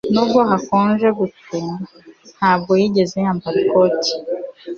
Nubwo hakonje gute ntabwo yigeze yambara ikote